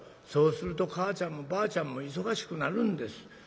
そうすると母ちゃんもばあちゃんも忙しくなるんです。